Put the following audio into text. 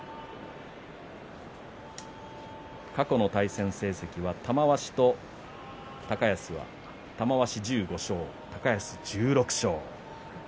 過去の対戦成績は玉鷲と高安は玉鷲１５勝高安１６勝。